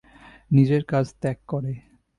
নিজের কাজ ত্যাগ করে।